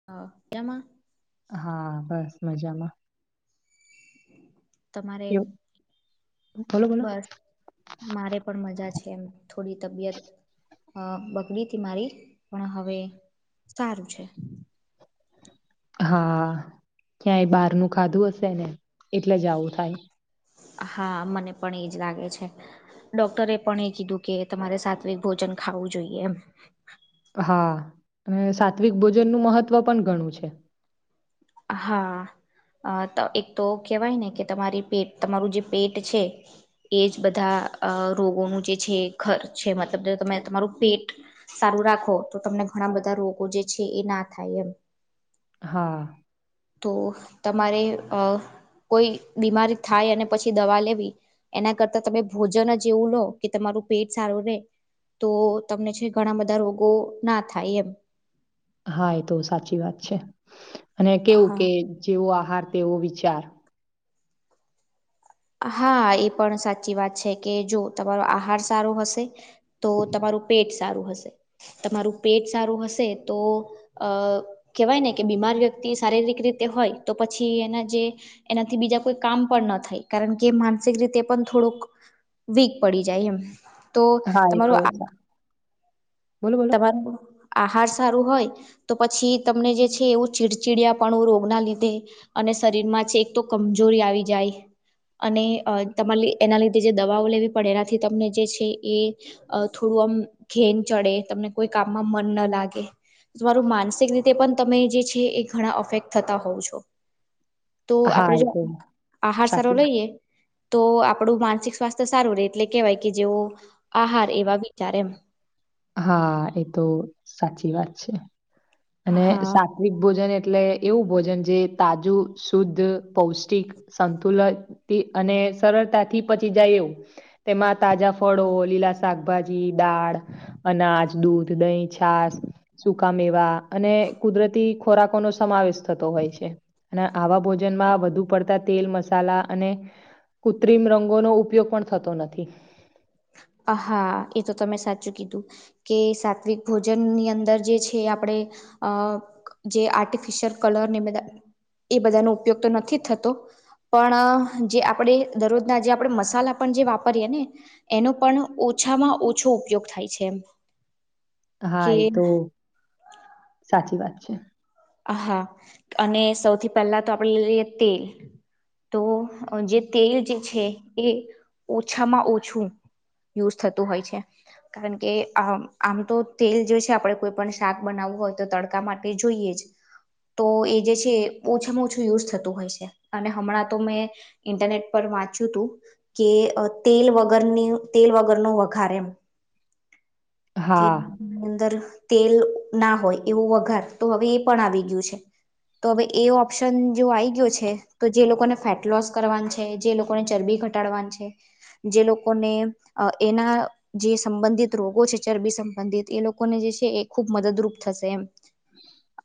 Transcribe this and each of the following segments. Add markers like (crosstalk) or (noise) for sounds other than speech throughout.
(unintelligible) હા બસ મજામા (inaudible) બસ (unintelligible) મારે પણ મજા છે, એમ થોડી તબિયત અ બગડી હતી મારી પણ હવે સારું છે. હા ક્યાં એ બહારનુ ખાધું હશે ને એટલે જ આવું થાય. હા મને પણ એ જ લાગે છે. ડોક્ટરે પણ એ કીધું કે તમારે સાત્વિક ભોજન ખાવું જોઈએ એમ હા અને સાત્વિક ભોજન નું મહત્વ પણ ઘણું છે. હા એક તો કેહેવાય ને કે તમારી પેટ તમારું જે પેટ છે. એ જ બધા અ રોગોનું જે છે ખર્ચ છે મતલબ તમે તમારું પેટ સારું રાખો તો તમને ઘણા બધા રોગો જે છે એ ના થાય એમ હા તો તમારે અ કોઈ બીમારી થાય અને પછી દવા લેવી એના કરતાં તમે ભોજન જ એવું લો કે તમારું પેટ સારું રહેે તો તમને છે, ઘણા બધા રોગો ના થાય એમ હા એ તો સાચી વાત છે, અને કેવું હા કે જેવો આહાર તેવો વિચાર હા એ પણ સાચી વાત છે કે જો તમારો આહાર સારો હશે તો તમારું પેટ સારું હશે. તમારું પેટ સારું હશે તો અ કેહેવાય ને કે બીમાર વ્યક્તિ શારીરિક રીતે હોય તો પછી એના જે એનાથી બીજા કોઈ કામ પણ ન થાય. કારણ કે માનસિક રીતે પણ થોડોક વીક પડી જાય એમ. તો હા એ તો તમારું (inaudible) સા- બોલો બોલો તમારું આહાર સારું હોય. તો પછી તમને જે છે એવું ચીડચીડયા પણું રોગના લીધે. અને શરીરમાં છે એક તો કમજોરી આવી જાય. અને તમારે એના લીધે જે દવાઓ લેવી પડે એનાથી તમને જે છે એ અ થોડું આમ ઘેન ચડે, તમને કોઈ કામમાં મન ના લાગે. તમારું માનસિક રીતે પણ તમે જે છે એ ઘણા અફેક્ટ થતા હોવ છો. તો હા આપડે એ જો તો આહાર સારો સાચી વાત લઈએ. તો આપડું માનસિક સ્વાસ્થ્ય સારું રહે એટલે કેહેવાય કે જેવો આહાર, એવા વિચાર એમ. હા એ તો સાચી વાત છે. અને સા હા વીક ભોજન એટલે એવું ભોજન જે તાજું, શુદ્ધ, પૌષ્ટિક. સંતુલનથી અને સરળતાથી પચી જાય એવું. તેમાં તાજા ફળો, લીલા શાકભાજી, દાળ. અનાજ, દૂધ, દહી, છાસ, સુ કા મેવા અને કુદરતી ખોરાકોનો સમાવેશ થતો હોય છે. અને આવા ભોજનમાં વધુ પડતા તેલ, મસાલા અને કૃત્રિમ રંગોનો ઉપયોગ પણ થતો નથી. આ હા એ તો તમે સાચું કીધું. કે સાત્વિક ભોજનની અંદર જે છે આપણે અ જે આર્ટિફિશયલ કલરને એ બધા એ બધાં નો ઉપયોગ તો નથી થતો. પણ જે આપણે દરરોજના જે આપણે મસાલા પણ જે વાપરીએ ને એનો પણ ઓછામાં ઓછો ઉપયોગ થાય છે એમ. હા કે એ તો સાચી વાત છે. હા અને સૌથી પહેલા તો આપણે લઈ લઈએ તેલ તો અ જે તેલ જે છે એ ઓછામાં ઓછું યુઝ થતું હોય છે. કારણ કે આ આમ તો તેલ જે છે આપણે કોઈ પણ શાક બનાવવું હોય તો તડકા માટે જોઈએ જ. તો એ જે છે ઓછામાં ઓછું યુઝ થતું હોય છે. અને હમણાં તો મેં ઇન્ટરનેટ પર વાંચ્યું તું. કે અ તેલ વગરની તેલ વગરનો વઘાર એમ. હા, કેની અંદર તેલ ના હોય એવો વઘાર. તો હવે એ પણ આવી ગયું છે. તો હવે એ ઓપ્શન જો આઈ ગયો છે તો જે લોકોને ફેટ લોસ કરવાનું છે, જે લોકોને ચરબી ઘટ ટાળવાનું છે, જે લોકોને અ એના જે સંબંધિત રોગો છે. ચરબી સંબંધિત એ લોકોને જે છે એ ખુબ મદદરૂપ થશે એમ.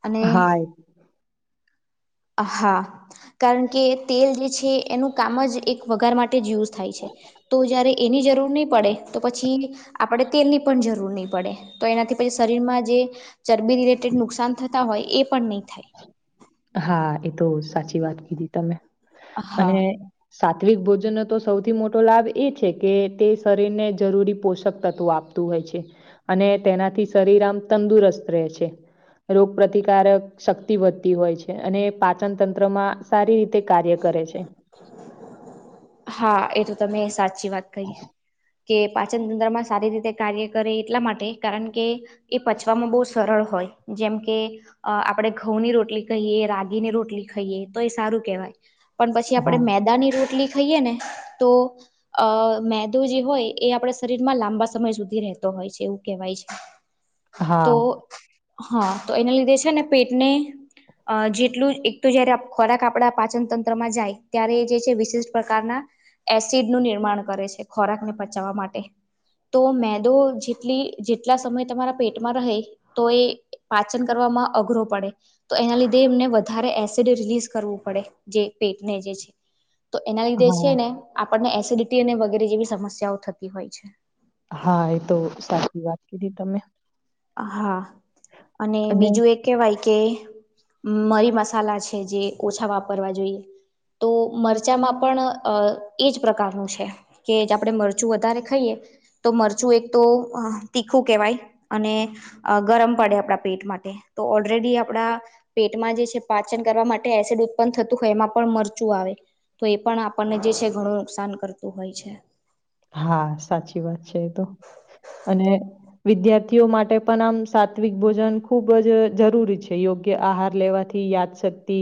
અને હા, (inaudible) હા કારણ કે તેલ જે છે એનું કામ જ એક વઘાર માટ ટે જ યુઝ થાય છે. તો જયારે એની જરૂર નહી પડે તો પછી આપણે તેલની પણ જરૂર નહીં પડે. તો એનાથી પછી શરીરમાં જે ચરબી રિલેટેડ નુકસાન થતા હોય એ પણ નહીં થાય. હા એતો સાચી વાત કીધી તમે. અને હા સાત્વિક ભોજનનો તો સૌથી મોટો લાભ એ છે કે તે શરીરને જરૂરી પોષક તત્વો આપ તું હોય છે, અને તેનાથી શરીર આમ તંદુરસ્ત રહે છે. રોગ પ્રતિકારક શક્તિ વધતી હોય છે અને પાચન તંત્રમાં સારી રીતે કાર્ય કરે છે. હા એ તો તમે સાચી વાત કહી. કે પાચન તંત્રમાં સારી રીતે કાર્ય કરે એટલા માટે કારણ કે એ પચવામાં બહુ સરળ હોય જેમ કે અ આપડણે ઘઉં ની રોટલી કહીએ રાગીની રોટલી ખાઈએ તો એ સારું કેહેવાય પણ પછી હા આપણેે મેદાની રોટલી ખાઈએ ને તો અ મેદો જે હોય એ આપણા શરીરમાં લાંબા સમય સુધી રહેતો હોય છે એવું કહેવાય છે (inaudible) તો હા તો એના લીધે છે ને પેટને અ જેટલું એક તો જયારે ખોરાક આપડા પાચન તંત્રમાં જાય ત્યારે એ જે છે વિશિષ પ્રકારના એસિડનું નિર્માણ કરે છે ખોરાકને પચાવવા માટે તો મેદો જેટલી જેટલા સમય તમારા પેટમાં રહે તો એ પાચન કરવામાં અઘરો પડે તો એના લીધે એમને વધારે એસિડ રિલીઝ કરવું પડે જે પેટને જે છે તો એના લીધે છે હા ને આપણને એસિડિટી અને વગેરે જેવી સમસ્યાઓ થતી હોય છે હા એ તો સાચી વાત કીધી તમે હા અને બીજું એ કેહેવાય કે મરી મસાલા છે જે ઓછા વાપરવા જોઈએ તો મરચામાં પણ એ જ પ્રકારનું છે કે આપણે મરચું વધારે ખાઈએ તો મરચું એક તો તીખું કેહેવાય અને ગરમ પડે આપણા પેટ માટે તો ઓલરેડી આપણા પેટમાં જે છે પાચન કરવા માટે એસિડ ઉત્પન્ન થતું હોય એમાં પણ મરચું આવે તો એ પણ આપણને જે છે ઘણું નુકસાન કરતું હોય છે હા સાચી વાત છે એ તો અને વિદ્યાર્થીઓ માટે પણ આમ સાત્વિક ભોજન ખૂબ જ જરૂરી છે યોગ્ય આહાર લેવાથી યા શક્તિ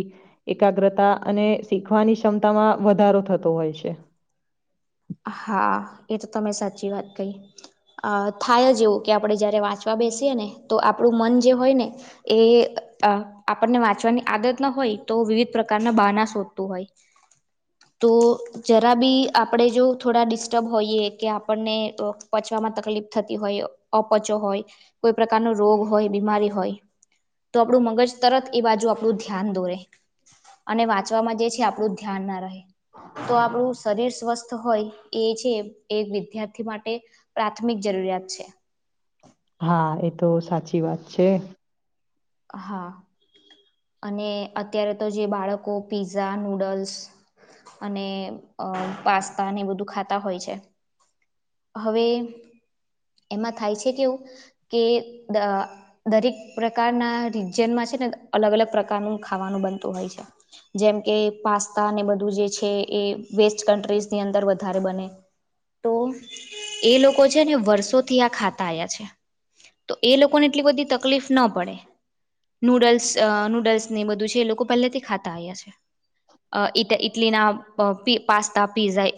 એકાગ્રતા અને શીખવાની ક્ષમતામાં વધારો થતો હોય છે હા એ તો તમે સાચી વાત કહી અ થાય જ જેવું કે આપણે જ્યારે વાંચવા બેસીએ ને તો આપણું મન જે હોય ને એ આપણને વાંચવાની આદત ના હોય તો વિવિધ પ્રકારના બાના શોધતું હોય (unintelligible) તો જરા ભી આપ આપણે જો થોડા ડિસ્ટર્બ હોઈએ કે આપણને પચવામાં તકલીફ થતી હોય અપચો હોય કોઈ પ્રકારનો રોગ હોય બીમારી હોય તો આપણું મગજ તરત એ બાજુ આપણું ધ્યાન દોરે અને વાંચવામાં જે છે આપણું ધ્યાન ના રહે તો આપણું શરીર સ્વસ્થ હોય એ છે એ વિદ્યાર્થી માટે પ્રાથમિક જરૂરિયાત છે હા એ તો સાચી વાત છે હા અને અત્યારે તો જે બાળકો પીઝા નુડલ્સ અને અ પાસ્તા ને બધું ખાતા હોય છે હવે એમાં થાય છે કેવું કે દ દરેક પ્રકારના રીજનમાં છે ને અલગ અલગ પ્રકારનું ખાવાનું બનતું હોય છે જેમ કે પાસ્તાને બધું જે છે એ વેસ્ટ કન્ટ્રીઝની અંદર વધારે બને તો એ લોકો છે ને વર્ષોથી આ ખાતા આયા છે તો એ લોકોને એટલી બધી તકલીફ ના પડે નૂડલ્સ અ નૂડલ્સ ને બધું છે એ લોકો પહેલેથી ખાતા આવ્યા છે અ ઈટ ઇટલી ના પી પાસ્તા પિઝા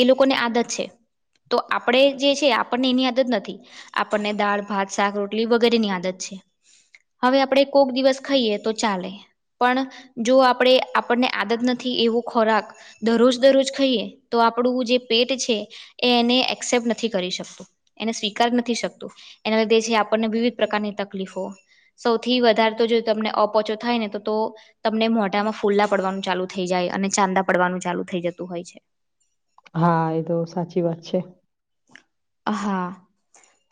એ લોકોને આદત છે તો આપણે જે છે આપણને એની આદત નથી આપણને દાળ ભાત શાક રોટલી વગેરે ની આદત છે હવે આપણેે કોક દિવસ ખાઈએ તો ચાલે પણ જો આપણે આપણને આદત નથી એવો ખોરાક દરરોજ દરરોજ ખાઈએ તો આપણું જે પેટ છે એ એને એક્સેપ્ટ નથી કરી શકતું એને સ્વીકાર નથી શકતું એના લીધે છે આપણને વિવિધ પ્રકારની તકલીફો સૌથી વધારે તો જો તમને અપોચો થાય ને તો તમને મોઢામાં ફોલ્લા પડવાનું ચાલુ થઈ જાય અને ચાંદા પડવાનું ચાલુ થઇ જતું હોય છે. હા એ તો સાચી વાત છે. હા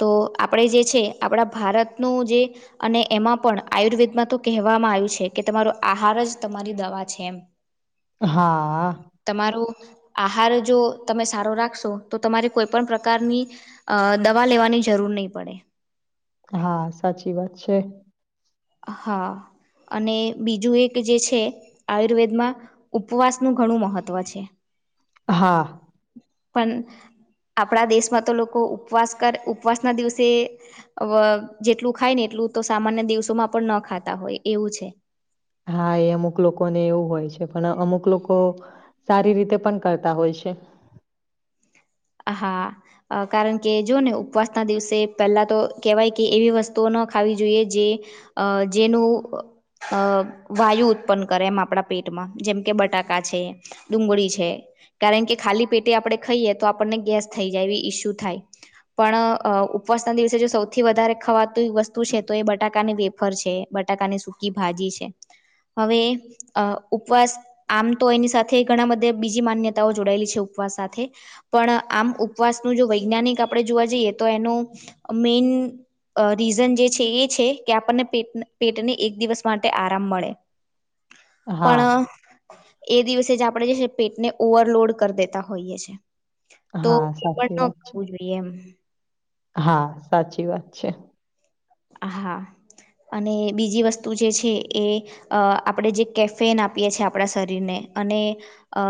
તો આપણે જે છે આપણા ભારતનું જે અને એમાં પણ આયુર્વેદમાં તો કહેવામાં આવ્યું છે કે તમારો આહાર જ તમારી દવા છે એમ. હા. તમારો આહાર જો તમે સારો રાખશો તો તમારે કોઈપણ પ્રકારની દવા લેવાની જરૂર નહીં પડે. હા સાચી વાત છે. હા. અને બીજું એક જે છે આયુર્વેદમાં ઉપવાસનું ઘણું મહત્ત્વ છે. હા. પણ આપણા દેશમાં તો લોકો ઉપવાસ કર ઉપવાસ ના દિવસે જેટલું ખાય ને એટલું તો સામાન્ય દિવસોમાં પણ ન ખાતા હોય એવું છે. હા એ અમુક લોકોને એવું હોય છે પણ અમુક લોકો સારી રીતે પણ કરતા હોય છે. હા. અ કારણ કે જો ને ઉપવાસના દિવસે પહેલા તો કેહેવાય કે એવી વસ્તુઓ ન ખાવી જોઈએ જે અ જેનું અ વાયુ ઉત્પન્ન કરે એમ આપણા પેટમાં જેમ કે બટાકા છે. ડુંગળી છે કારણ કે ખાલી પેટે આપણેે ખાઈએ તો આપણને ગેસ થઈ જાય એ ઈસ્યુ થાય. પણ ઉપવાસના દિવસે જો સૌથી વધારે ખવાતી વસ્તુ છે તો એ બટાકાની વેફર છે. બટાકાની સૂકી ભાજી છે હવે ઉપવાસ આમ તો એની સાથે ઘણા બધા બીજી માન્યતાઓ જોડાયેલી છે ઉપવાસ સાથે પણ આમ ઉપવાસનું જો વૈજ્ઞાનિક આપણે જોવા જઈએ તો એનો મેન અ રીઝન જે છે એ છે કે આપણને પેટ પેટને એક દિવસ માટે આરામ મળે. (inaudible) હા, પણ એ દિવસે જ આપણે જે પેટને ઓવરલોડ કરી દેતા હોઈએ છે. તો હા, એ સાચી પણ ન વાત. ખવું જોઈએ એમ. હા સાચી વાત છે. હા અને બીજી વસ્તુ જે છે એ અ આપણે જે કેફેન આપીએ છીએ આપણા શરીરને અને અ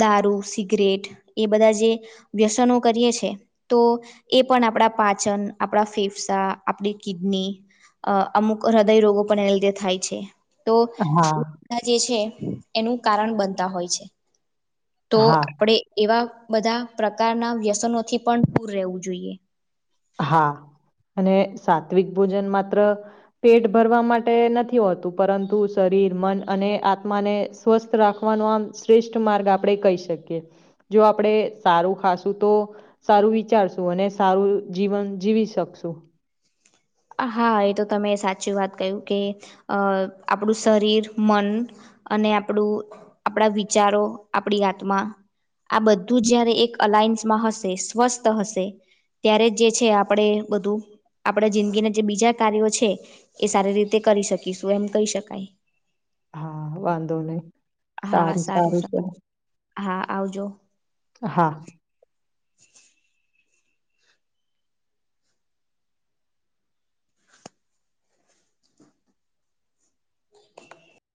દારૂ સિગરેટ એ બધા જે વ્યસનો કરીએ છે તો એ પણ આપણા પાચન આપડા ફેફસા આપણી કિડની અ અમુક હૃદય રોગો પણ એને લીધે થાય છે તો હા, જે છે એનું કારણ બનતા હોય છે તો હા. આપણે એવા બધા પ્રકારના વ્યસનોથી પણ દૂર રહેવું જોઈએ. હા અને સાત્વિક ભોજન માત્ર પેટ ભરવા માટે નથી હોતું પરંતુ શરીર મન અને આત્માને સ્વસ્થ રાખવાનો આમ શ્રેષ્ઠ માર્ગ આપણે કહી શકીએ. જો આપણેે સારું ખાશું તો સારું વિચારશું અને સારું જીવન જીવી શકશું. હા એ તો તમે સાચી વાત કહ્યું કે અ આપણું શરીર મન અને આપડું આપણા વિચારો આપડી આત્મા આ બધું જય્યારે એક અલાયન્સમાં હશે સ્વસ્થ હશે ત્યારે જે છે આપણેે બધું આપણેે જિંદગીના જે બીજા કાર્યો છે એ સારી રીતે કરી શકીશું એમ કહી શકાય. હા વાંધો નહી સારું, સારું છે. હા આવજો હા (inaudible)